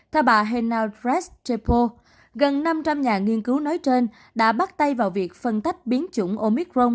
theo bà henawresh chapo gần năm trăm linh nhà nghiên cứu nói trên đã bắt tay vào việc phân tách biến chủng omicron